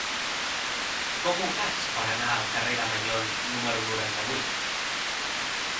Com ho faig per anar al carrer de Maignon número noranta-vuit?